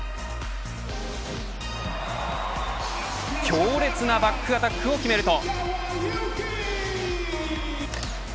強烈なバックアタックを決めると。